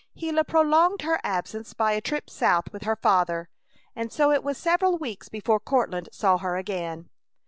Gila prolonged her absence by a trip South with her father, and so it was several weeks before Courtland saw her again.